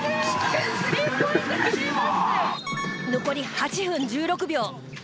残り８分１６秒。